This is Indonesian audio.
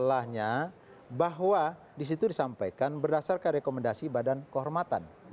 masalahnya bahwa disitu disampaikan berdasarkan rekomendasi badan kehormatan